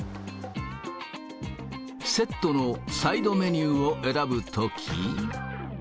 セットのサイドメニューを選ぶとき。